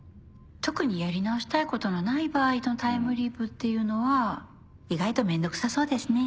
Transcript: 特にやり直したいことのない場合のタイムリープっていうのは意外と面倒くさそうですね。